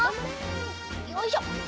よいしょ！